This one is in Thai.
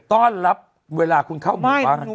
ต้อนรับเวลาคุณเข้ามุนไป